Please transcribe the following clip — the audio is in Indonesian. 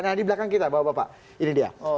nah di belakang kita bapak bapak ini dia